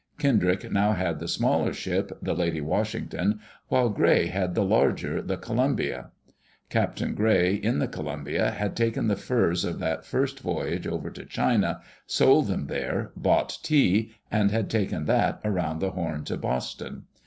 Kendrick now had the smaller ship, the Lady Washington, while Gray had the larger, the Columbia. Captain Gray, in the Columbia, had taken the furs of that Digitized by CjOOQ IC EARLY DAYS IN OLD OREGON first voyage over to China, sold them there, bought tea, and had taken that around the Horn to Boston.